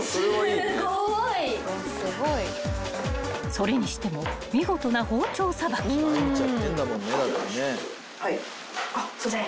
［それにしても見事な包丁さばき］すみません。